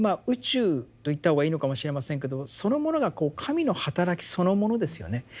宇宙と言った方がいいのかもしれませんけどそのものがこう「神の働き」そのものですよね。